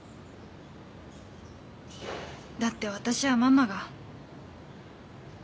だって私はママが。